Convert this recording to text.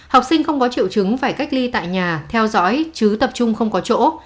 học sinh không có triệu chứng phải cách ly tại nhà theo dõi chứ tập trung không có chỗ